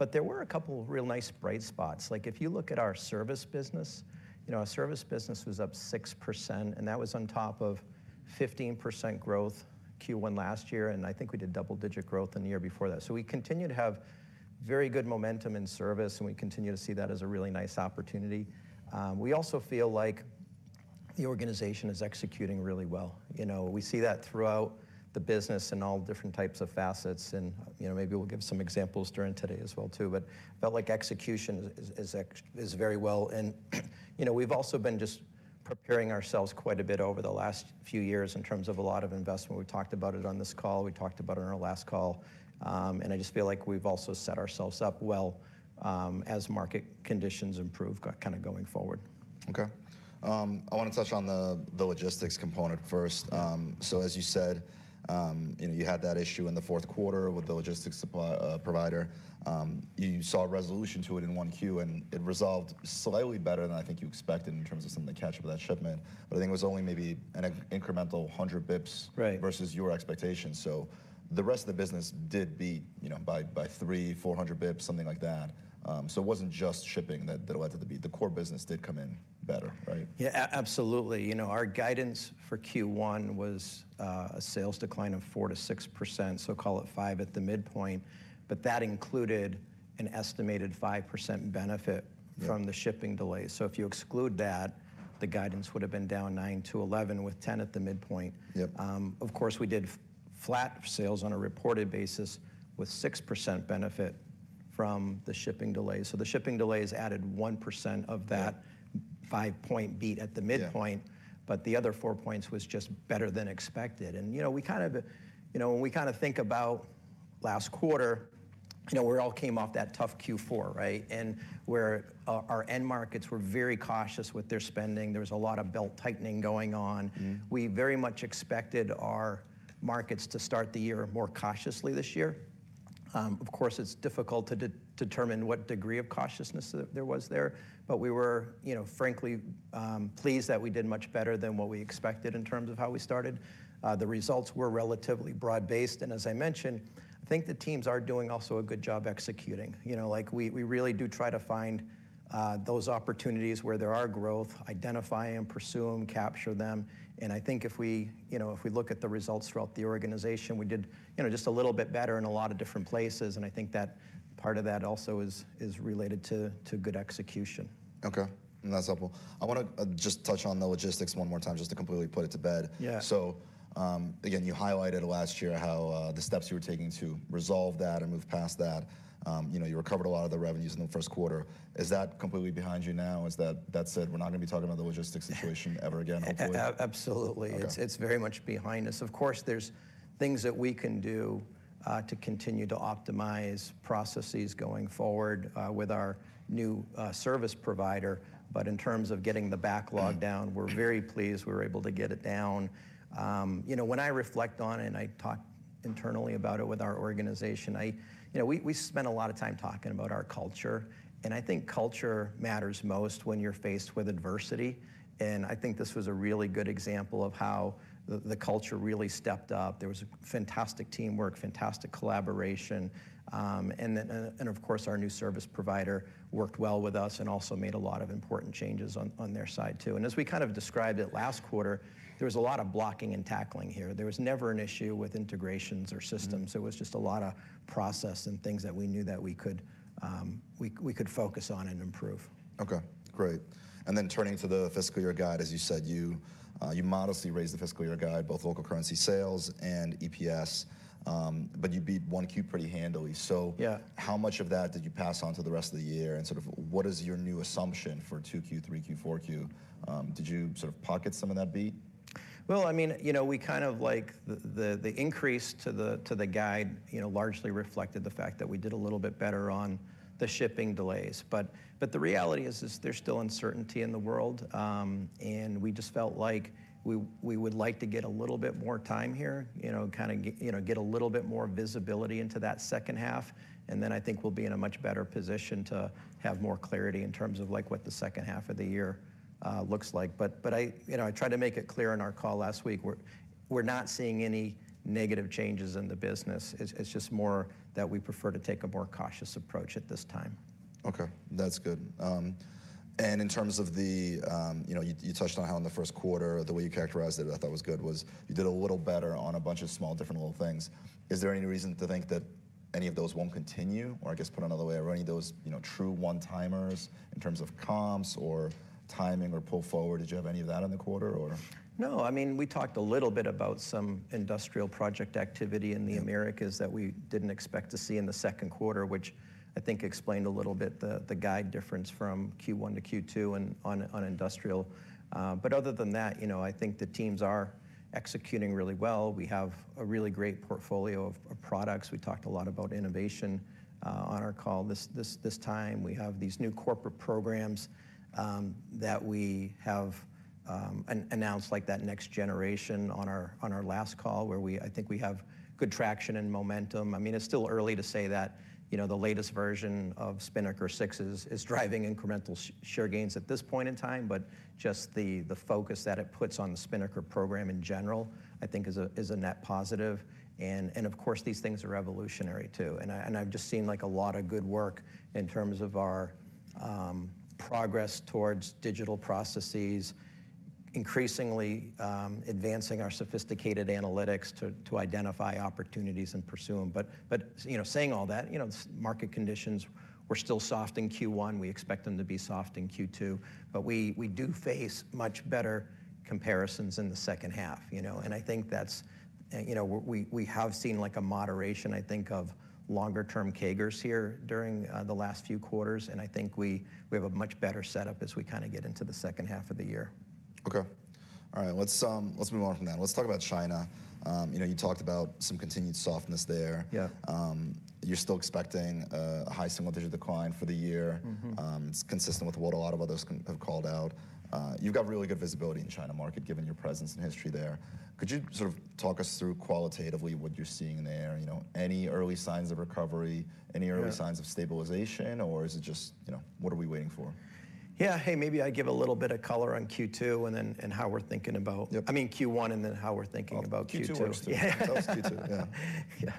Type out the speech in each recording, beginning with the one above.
but there were a couple of real nice bright spots. Like, if you look at our service business, you know, our service business was up 6%, and that was on top of 15% growth Q1 last year, and I think we did double-digit growth in the year before that. So we continue to have very good momentum in service, and we continue to see that as a really nice opportunity. We also feel like the organization is executing really well. You know, we see that throughout the business in all different types of facets, and, you know, maybe we'll give some examples during today as well, too. But I felt like execution is very well. And, you know, we've also been just preparing ourselves quite a bit over the last few years in terms of a lot of investment. We talked about it on this call, we talked about it on our last call, and I just feel like we've also set ourselves up well, as market conditions improve kind of going forward. Okay. I want to touch on the logistics component first. Yeah. So as you said, you know, you had that issue in the fourth quarter with the logistics supply provider. You saw a resolution to it in 1Q, and it resolved slightly better than I think you expected in terms of some of the catch up of that shipment, but I think it was only maybe an incremental 100 bps Right... versus your expectations. So the rest of the business did beat, you know, by 300 bps-400 bps, something like that. So it wasn't just shipping that led to the beat. The core business did come in better, right? Yeah, absolutely. You know, our guidance for Q1 was a sales decline of 4%-6%, so call it five at the midpoint, but that included an estimated 5% benefit- Yeah... from the shipping delays. So if you exclude that, the guidance would've been down nine-11, with 10 at the midpoint. Yep. Of course, we did flat sales on a reported basis, with 6% benefit from the shipping delays. So the shipping delays added 1% of that- Yeah... five-point beat at the midpoint. Yeah. But the other four points was just better than expected. And, you know, we kind of, you know, when we kind of think about last quarter, you know, we all came off that tough Q4, right? And where our end markets were very cautious with their spending. There was a lot of belt-tightening going on. Mm-hmm. We very much expected our markets to start the year more cautiously this year. Of course, it's difficult to determine what degree of cautiousness there was there, but we were, you know, frankly, pleased that we did much better than what we expected in terms of how we started. The results were relatively broad-based, and as I mentioned, I think the teams are doing also a good job executing. You know, like, we really do try to find those opportunities where there are growth, identify them, pursue them, capture them, and I think if we, you know, if we look at the results throughout the organization, we did, you know, just a little bit better in a lot of different places, and I think that part of that also is related to good execution. Okay, that's helpful. I wanna just touch on the logistics one more time, just to completely put it to bed. Yeah. So, again, you highlighted last year how the steps you were taking to resolve that and move past that. You know, you recovered a lot of the revenues in the first quarter. Is that completely behind you now? Is that, that's it, we're not gonna be talking about the logistics situation ever again, hopefully? A- absolutely. Okay. It's very much behind us. Of course, there's things that we can do to continue to optimize processes going forward with our new service provider, but in terms of getting the backlog down, we're very pleased we were able to get it down. You know, when I reflect on it, and I talk internally about it with our organization. You know, we spend a lot of time talking about our culture, and I think culture matters most when you're faced with adversity. And I think this was a really good example of how the culture really stepped up. There was fantastic teamwork, fantastic collaboration. And then, and of course, our new service provider worked well with us and also made a lot of important changes on their side, too. As we kind of described it last quarter, there was a lot of blocking and tackling here. There was never an issue with integrations or systems. Mm. It was just a lot of process and things that we knew that we could focus on and improve. Okay, great. And then turning to the fiscal year guide, as you said, you modestly raised the fiscal year guide, both local currency sales and EPS, but you beat 1Q pretty handily. Yeah. So how much of that did you pass on to the rest of the year, and sort of what is your new assumption for 2Q, 3Q, 4Q? Did you sort of pocket some of that beat? Well, I mean, you know, we kind of like the increase to the guide, you know, largely reflected the fact that we did a little bit better on the shipping delays. But the reality is there's still uncertainty in the world, and we just felt like we would like to get a little bit more time here, you know, get a little bit more visibility into that second half. And then I think we'll be in a much better position to have more clarity in terms of, like, what the second half of the year looks like. You know, I tried to make it clear on our call last week, we're not seeing any negative changes in the business. It's just more that we prefer to take a more cautious approach at this time. Okay, that's good. And in terms of the... You know, you, you touched on how in the first quarter, the way you characterized it, I thought was good, was you did a little better on a bunch of small, different little things. Is there any reason to think that any of those won't continue? Or I guess put another way, are any of those, you know, true one-timers in terms of comps or timing or pull forward? Did you have any of that in the quarter or? No. I mean, we talked a little bit about some industrial project activity in the Americas- Yeah... that we didn't expect to see in the second quarter, which I think explained a little bit the guide difference from Q1 to Q2 and on industrial. But other than that, you know, I think the teams are executing really well. We have a really great portfolio of products. We talked a lot about innovation on our call this time. We have these new corporate programs that we have announced, like that next generation on our last call, where I think we have good traction and momentum. I mean, it's still early to say that, you know, the latest version of Spinnaker 6 is driving incremental share gains at this point in time. But just the focus that it puts on the Spinnaker program in general, I think is a net positive. And of course, these things are evolutionary, too. And I've just seen, like, a lot of good work in terms of our progress towards digital processes, increasingly advancing our sophisticated analytics to identify opportunities and pursue them. But you know, saying all that, you know, market conditions were still soft in Q1. We expect them to be soft in Q2, but we do face much better comparisons in the second half, you know? I think that's, you know, we have seen like a moderation, I think, of longer term CAGRs here during the last few quarters, and I think we have a much better setup as we kind of get into the second half of the year. Okay. All right, let's move on from that. Let's talk about China. You know, you talked about some continued softness there. Yeah. You're still expecting a high single-digit decline for the year. Mm-hmm. It's consistent with what a lot of others companies have called out. You've got really good visibility in China market, given your presence and history there. Could you sort of talk us through qualitatively what you're seeing there? You know, any early signs of recovery- Yeah... any early signs of stabilization, or is it just, you know, what are we waiting for? Yeah. Hey, maybe I give a little bit of color on Q2 and then, and how we're thinking about- Yep. I mean Q1, and then how we're thinking about Q2. Q2, that was Q2. Yeah.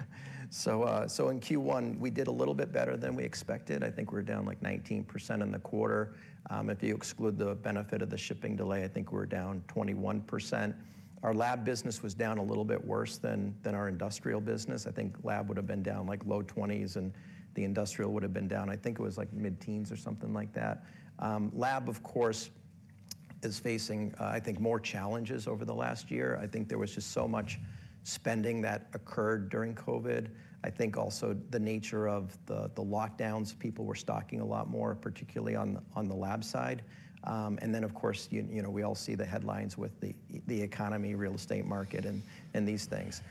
Yeah. So in Q1, we did a little bit better than we expected. I think we're down, like, 19% in the quarter. If you exclude the benefit of the shipping delay, I think we're down 21%. Our lab business was down a little bit worse than our industrial business. I think lab would've been down, like, low 20s%, and the industrial would've been down, I think it was like mid-teens% or something like that. Lab, of course, is facing, I think, more challenges over the last year. I think there was just so much spending that occurred during COVID. I think also the nature of the lockdowns, people were stocking a lot more, particularly on the lab side. And then, of course, you know, we all see the headlines with the economy, real estate market, and these things.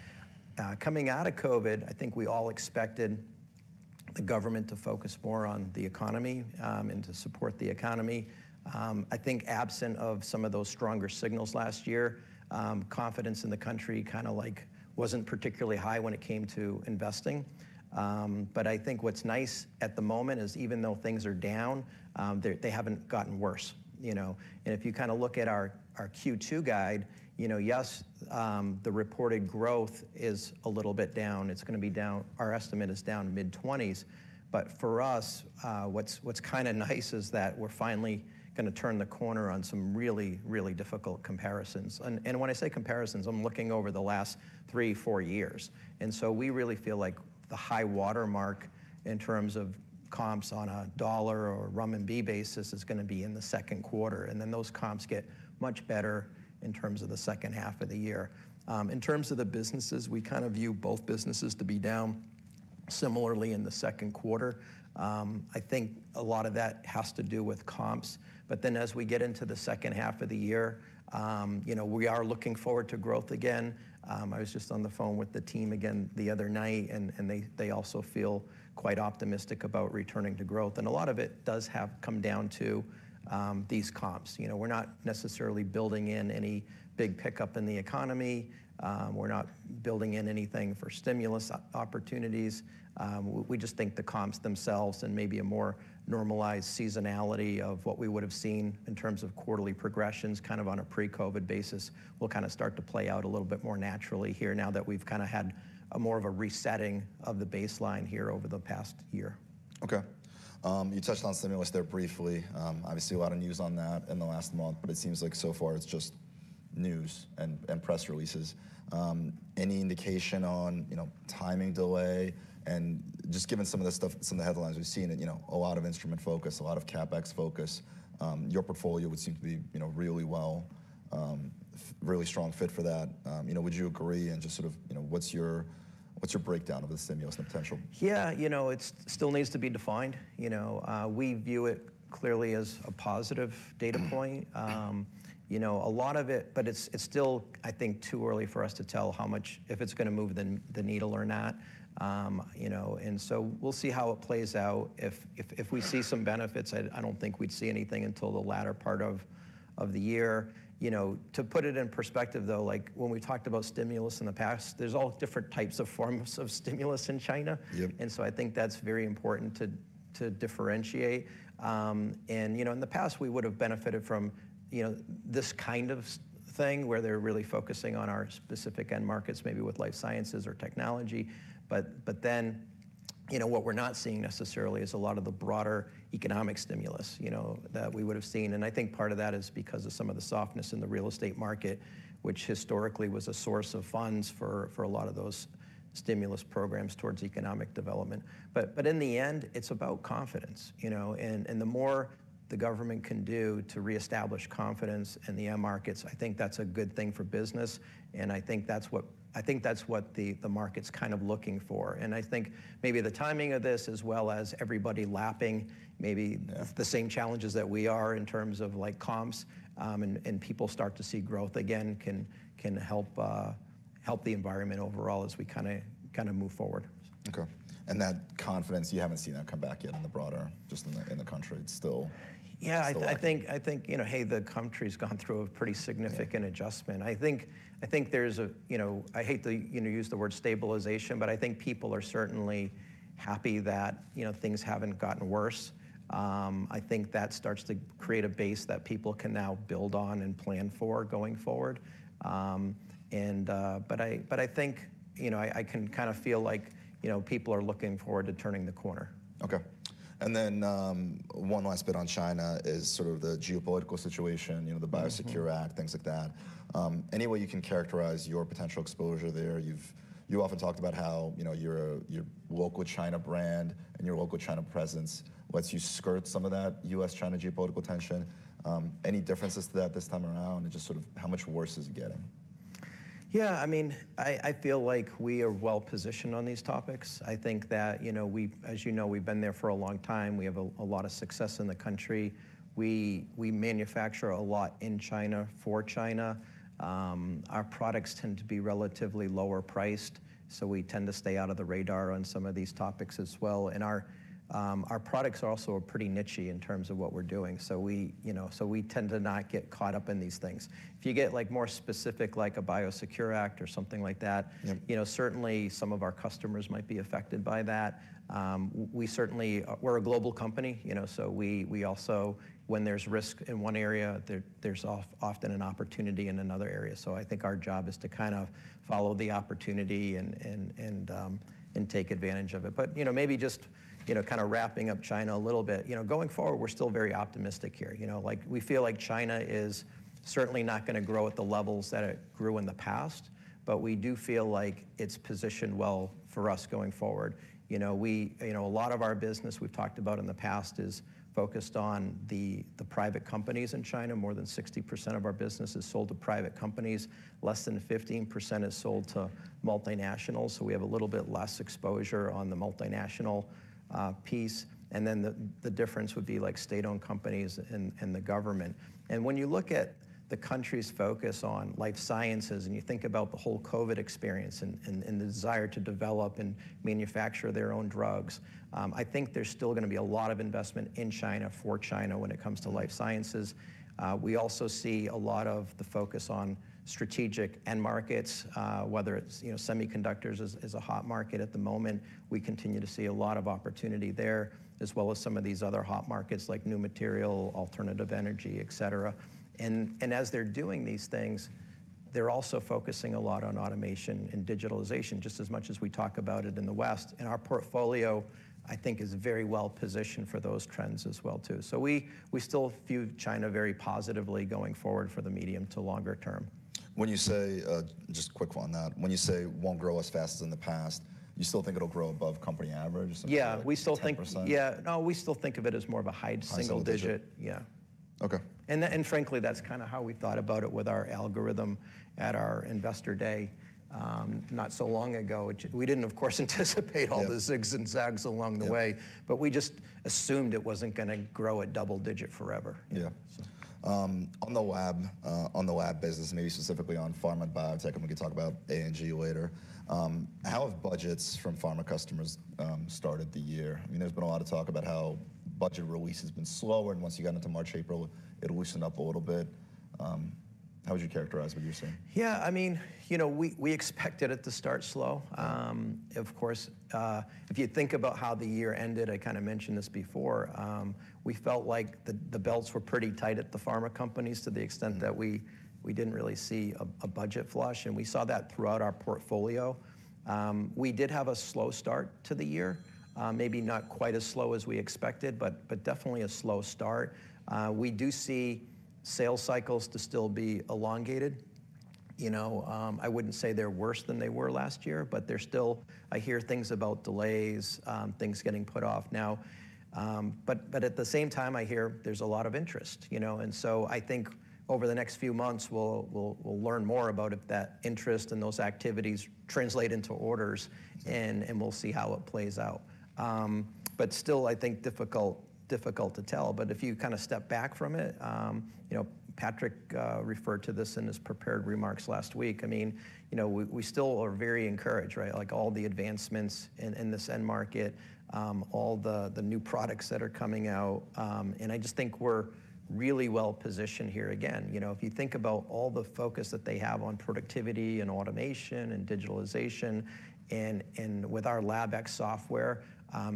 Coming out of COVID, I think we all expected the government to focus more on the economy and to support the economy. I think absent of some of those stronger signals last year, confidence in the country kinda like wasn't particularly high when it came to investing. But I think what's nice at the moment is, even though things are down, they haven't gotten worse, you know? And if you kinda look at our Q2 guide, you know, yes, the reported growth is a little bit down. It's gonna be down. Our estimate is down mid-20s. But for us, what's kinda nice is that we're finally gonna turn the corner on some really, really difficult comparisons. And when I say comparisons, I'm looking over the last three, four years. And so we really feel like the high watermark in terms of comps on a dollar or RMB basis is gonna be in the second quarter, and then those comps get much better in terms of the second half of the year. In terms of the businesses, we kind of view both businesses to be down similarly in the second quarter. I think a lot of that has to do with comps. But then, as we get into the second half of the year, you know, we are looking forward to growth again. I was just on the phone with the team again the other night, and they also feel quite optimistic about returning to growth, and a lot of it does have come down to these comps. You know, we're not necessarily building in any big pickup in the economy. We're not building in anything for stimulus opportunities. We just think the comps themselves and maybe a more normalized seasonality of what we would've seen in terms of quarterly progressions, kind of on a pre-COVID basis, will kinda start to play out a little bit more naturally here, now that we've kinda had a more of a resetting of the baseline here over the past year. Okay. You touched on stimulus there briefly. Obviously, a lot of news on that in the last month, but it seems like so far it's just news and, and press releases. Any indication on, you know, timing delay? And just given some of the stuff, some of the headlines we've seen, you know, a lot of instrument focus, a lot of CapEx focus, your portfolio would seem to be, you know, really well, really strong fit for that. You know, would you agree? And just sort of, you know, what's your, what's your breakdown of the stimulus and potential? Yeah, you know, it's still needs to be defined. You know, we view it clearly as a positive data point. You know, a lot of it... But it's still, I think, too early for us to tell how much, if it's gonna move the needle or not. You know, and so we'll see how it plays out. If we see some benefits, I don't think we'd see anything until the latter part of the year. You know, to put it in perspective, though, like, when we talked about stimulus in the past, there's all different types of forms of stimulus in China. Yep. I think that's very important to differentiate. You know, in the past, we would've benefited from, you know, this kind of thing, where they're really focusing on our specific end markets, maybe with life sciences or technology. But then, you know, what we're not seeing necessarily is a lot of the broader economic stimulus, you know, that we would've seen. I think part of that is because of some of the softness in the real estate market, which historically was a source of funds for a lot of those stimulus programs towards economic development. But in the end, it's about confidence, you know, and the more the government can do to reestablish confidence in the end markets, I think that's a good thing for business, and I think that's what... I think that's what the market's kind of looking for. And I think maybe the timing of this, as well as everybody lapping maybe the same challenges that we are in terms of, like, comps, and people start to see growth again, can help the environment overall as we kinda move forward. Okay. And that confidence, you haven't seen that come back yet in the broader, just in the, in the country. It's still- Yeah-... still- I think, you know, hey, the country's gone through a pretty significant- Yeah... adjustment. I think, I think there's a, you know... I hate to, you know, use the word stabilization, but I think people are certainly happy that, you know, things haven't gotten worse. I think that starts to create a base that people can now build on and plan for going forward. But I, but I think, you know, I, I can kind of feel like, you know, people are looking forward to turning the corner. Okay.... And then, one last bit on China is sort of the geopolitical situation, you know, the BIOSECURE Act, things like that. Any way you can characterize your potential exposure there? You often talked about how, you know, your, your local China brand and your local China presence lets you skirt some of that U.S.-China geopolitical tension. Any differences to that this time around, and just sort of how much worse is it getting? Yeah, I mean, I feel like we are well-positioned on these topics. I think that, you know, we've, as you know, we've been there for a long time. We have a lot of success in the country. We manufacture a lot in China for China. Our products tend to be relatively lower priced, so we tend to stay out of the radar on some of these topics as well. And our products are also pretty niche-y in terms of what we're doing, so we, you know, so we tend to not get caught up in these things. If you get, like, more specific, like a BIOSECURE Act or something like that- Yeah... you know, certainly, some of our customers might be affected by that. We certainly-- We're a global company, you know, so we also, when there's risk in one area, there's often an opportunity in another area. So I think our job is to kind of follow the opportunity and take advantage of it. But, you know, maybe just, you know, kind of wrapping up China a little bit, you know, going forward, we're still very optimistic here. You know, like, we feel like China is certainly not gonna grow at the levels that it grew in the past, but we do feel like it's positioned well for us going forward. You know, a lot of our business we've talked about in the past is focused on the private companies in China. More than 60% of our business is sold to private companies. Less than 15% is sold to multinationals, so we have a little bit less exposure on the multinational piece. And then the difference would be, like, state-owned companies and the government. And when you look at the country's focus on life sciences, and you think about the whole COVID experience and the desire to develop and manufacture their own drugs, I think there's still gonna be a lot of investment in China for China when it comes to life sciences. We also see a lot of the focus on strategic end markets, whether it's, you know, semiconductors is a hot market at the moment. We continue to see a lot of opportunity there, as well as some of these other hot markets, like new material, alternative energy, et cetera. As they're doing these things, they're also focusing a lot on automation and digitalization, just as much as we talk about it in the West. Our portfolio, I think, is very well-positioned for those trends as well, too. So we still view China very positively going forward for the medium to longer term. When you say, just a quick one on that. When you say won't grow as fast as in the past, you still think it'll grow above company average? Yeah. Ten percent? We still think... Yeah. No, we still think of it as more of a high single digit. High single digit. Yeah. Okay. Frankly, that's kind of how we thought about it with our algorithm at our investor day, not so long ago. We didn't, of course, anticipate - Yeah... all the zigs and zags along the way. Yeah. But we just assumed it wasn't gonna grow at double digit forever. Yeah. On the lab, on the lab business, maybe specifically on pharma and biotech, and we can talk about A&G later. How have budgets from pharma customers started the year? I mean, there's been a lot of talk about how budget release has been slower, and once you got into March, April, it loosened up a little bit. How would you characterize what you're seeing? Yeah, I mean, you know, we expected it to start slow. Of course, if you think about how the year ended, I kind of mentioned this before, we felt like the belts were pretty tight at the pharma companies to the extent- Mm-hmm... that we didn't really see a budget flush, and we saw that throughout our portfolio. We did have a slow start to the year. Maybe not quite as slow as we expected, but definitely a slow start. We do see sales cycles to still be elongated. You know, I wouldn't say they're worse than they were last year, but they're still... I hear things about delays, things getting put off now. But at the same time, I hear there's a lot of interest, you know? And so I think over the next few months, we'll learn more about if that interest and those activities translate into orders, and we'll see how it plays out. But still, I think difficult to tell. But if you kind of step back from it, you know, Patrick referred to this in his prepared remarks last week. I mean, you know, we still are very encouraged, right? Like, all the advancements in this end market, all the new products that are coming out, and I just think we're really well positioned here. Again, you know, if you think about all the focus that they have on productivity and automation and digitalization, and with our LabX software,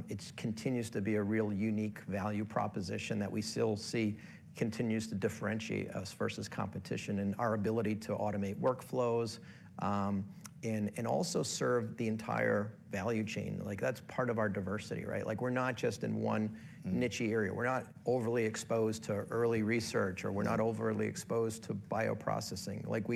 it continues to be a real unique value proposition that we still see continues to differentiate us versus competition, and our ability to automate workflows, and also serve the entire value chain. Like, that's part of our diversity, right? Like, we're not just in one niche-y area. Mm. We're not overly exposed to early research- Yeah... or we're not overly exposed to bioprocessing. Like,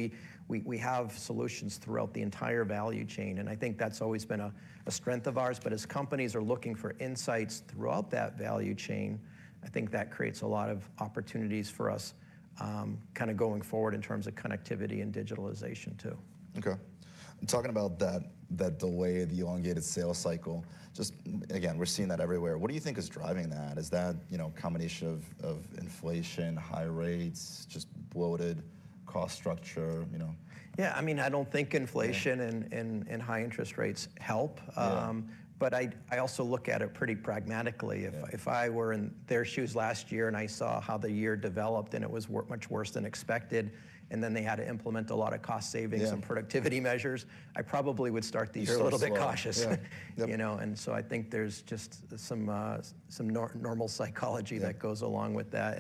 we have solutions throughout the entire value chain, and I think that's always been a strength of ours. But as companies are looking for insights throughout that value chain, I think that creates a lot of opportunities for us, kind of going forward in terms of connectivity and digitalization, too. Okay. In talking about that, that delay, the elongated sales cycle, just again, we're seeing that everywhere. What do you think is driving that? Is that, you know, a combination of inflation, high rates, just bloated cost structure, you know? Yeah, I mean, I don't think inflation- Yeah high interest rates help. Yeah. I also look at it pretty pragmatically. Yeah. If I were in their shoes last year, and I saw how the year developed, and it was much worse than expected, and then they had to implement a lot of cost savings- Yeah And productivity measures, I probably would start the year a little bit cautious. Yeah. Yep. You know, and so I think there's just some normal psychology- Yeah -that goes along with that.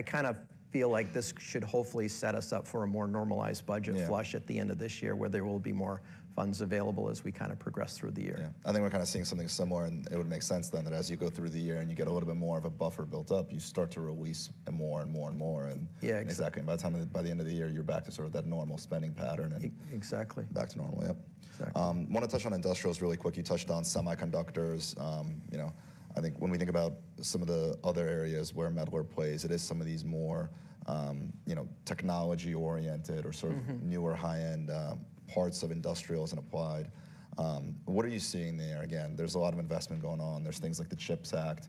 I kind of feel like this should hopefully set us up for a more normalized budget flush- Yeah at the end of this year, where there will be more funds available as we kind of progress through the year. Yeah. I think we're kind of seeing something similar, and it would make sense then that as you go through the year and you get a little bit more of a buffer built up, you start to release more and more and more, and- Yeah, exactly. By the time, by the end of the year, you're back to sort of that normal spending pattern and. Ex- exactly. Back to normal. Yep. Exactly. Wanna touch on industrials really quick. You touched on semiconductors. You know, I think when we think about some of the other areas where Mettler plays, it is some of these more, you know, technology-oriented- Mm-hmm... or sort of newer, high-end parts of industrials and applied. What are you seeing there? Again, there's a lot of investment going on. There's things like the CHIPS Act.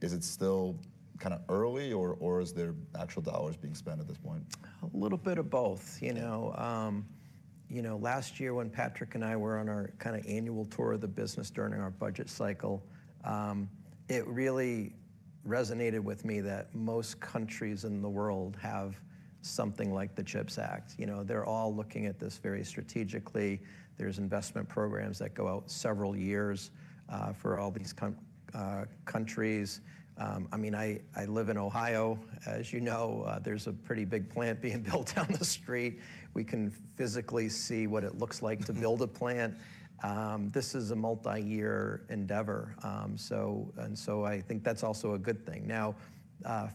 Is it still kind of early, or is there actual dollars being spent at this point? A little bit of both. You know, you know, last year, when Patrick and I were on our kind of annual tour of the business during our budget cycle, it really resonated with me that most countries in the world have something like the CHIPS Act. You know, they're all looking at this very strategically. There's investment programs that go out several years, for all these countries. I mean, I live in Ohio. As you know, there's a pretty big plant being built down the street. We can physically see what it looks like to build a plant. This is a multi-year endeavor. So, and so I think that's also a good thing. Now,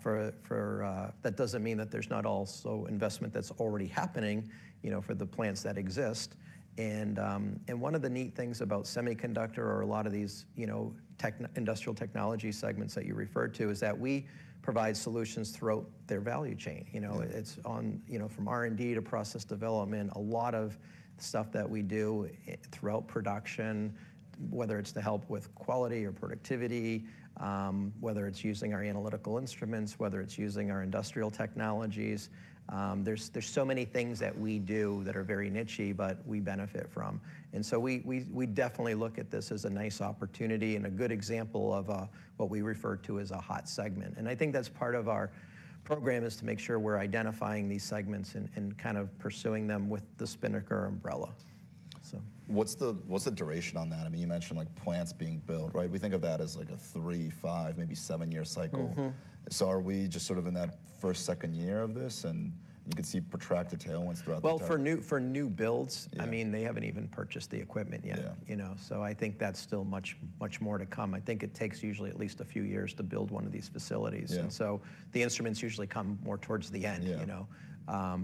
for, for... That doesn't mean that there's not also investment that's already happening, you know, for the plants that exist. One of the neat things about semiconductor or a lot of these, you know, tech, industrial technology segments that you referred to, is that we provide solutions throughout their value chain. Mm. You know, it's on, you know, from R&D to process development, a lot of stuff that we do throughout production, whether it's to help with quality or productivity, whether it's using our analytical instruments, whether it's using our industrial technologies, there's so many things that we do that are very nichey, but we benefit from. And so we definitely look at this as a nice opportunity and a good example of what we refer to as a hot segment. And I think that's part of our program, is to make sure we're identifying these segments and kind of pursuing them with the Spinnaker umbrella. So... What's the duration on that? I mean, you mentioned, like, plants being built, right? We think of that as, like, a three, five, maybe seven-year cycle. Mm-hmm. Are we just sort of in that first, second year of this, and you could see protracted tailwinds throughout the time? Well, for new builds- Yeah... I mean, they haven't even purchased the equipment yet. Yeah. You know, so I think that's still much, much more to come. I think it takes usually at least a few years to build one of these facilities. Yeah. The instruments usually come more towards the end- Yeah... you know?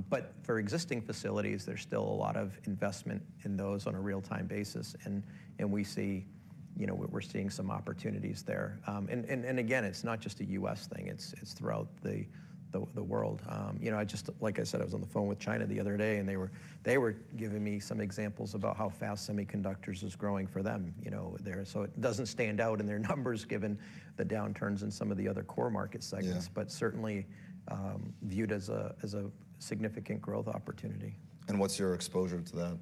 But for existing facilities, there's still a lot of investment in those on a real-time basis, and we see, you know, we're seeing some opportunities there. And again, it's not just a U.S. thing. It's throughout the world. You know, I just—like I said, I was on the phone with China the other day, and they were giving me some examples about how fast semiconductors is growing for them, you know, there. So it doesn't stand out in their numbers, given the downturns in some of the other core market segments- Yeah... but certainly, viewed as a, as a significant growth opportunity. What's your exposure to that?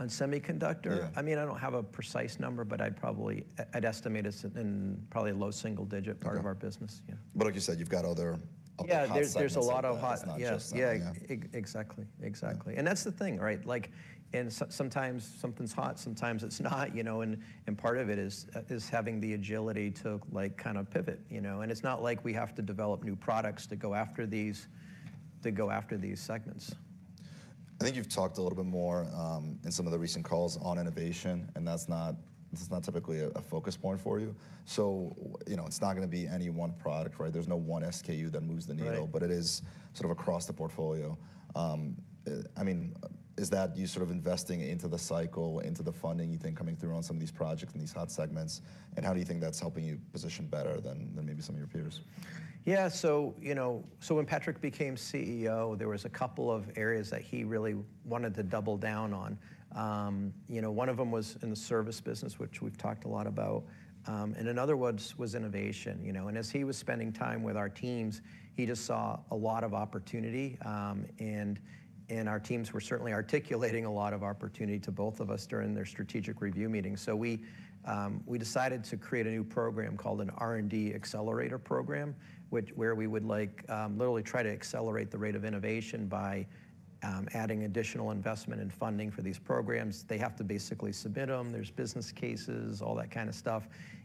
On semiconductor? Yeah. I mean, I don't have a precise number, but I'd probably... I'd estimate it's in probably a low single digit- Okay... part of our business, yeah. But like you said, you've got other hot segments- Yeah, there's a lot of hot- It's not just that. Yeah. Yeah. Exactly. Exactly. Yeah. And that's the thing, right? Like, and so sometimes something's hot, sometimes it's not, you know, and, and part of it is, is having the agility to, like, kind of pivot, you know? And it's not like we have to develop new products to go after these, to go after these segments. I think you've talked a little bit more in some of the recent calls on innovation, and that's not, that's not typically a focus point for you. So, you know, it's not gonna be any one product, right? There's no one SKU that moves the needle- Right... but it is sort of across the portfolio. I mean, is that you sort of investing into the cycle, into the funding, you think, coming through on some of these projects and these hot segments? How do you think that's helping you position better than maybe some of your peers? Yeah, so, you know, so when Patrick became CEO, there was a couple of areas that he really wanted to double down on. You know, one of them was in the service business, which we've talked a lot about, and another one was innovation, you know. And as he was spending time with our teams, he just saw a lot of opportunity. And our teams were certainly articulating a lot of opportunity to both of us during their strategic review meetings. So we decided to create a new program called an R&D accelerator program, which where we would, like, literally try to accelerate the rate of innovation by adding additional investment and funding for these programs. They have to basically submit them, there's business cases, all that kind of stuff, and-